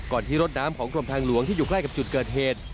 ที่รถน้ำของกรมทางหลวงที่อยู่ใกล้กับจุดเกิดเหตุ